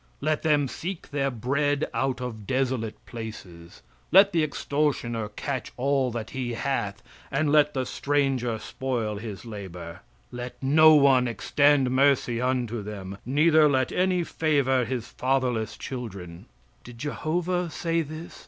Let them seek their bread out of desolate places. Let the extortioner catch all that he hath, and let the stranger spoil his labor. Let no one extend mercy unto them, neither let any favor his fatherless children." Did Jehovah say this?